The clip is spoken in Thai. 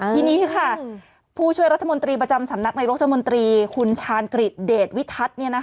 ทีนี้ค่ะผู้ช่วยรัฐมนตรีประจำสำนักนายรัฐมนตรีคุณชาญกฤษเดชวิทัศน์